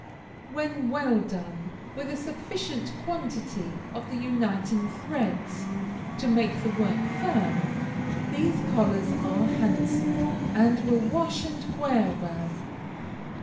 When well done, with a sufficient quantity of the uniting threads, to make the work firm, these collars are handsome, and will wash and wear well.